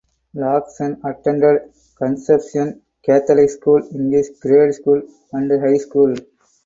Lacson attended Concepcion Catholic School in his grade school and high school.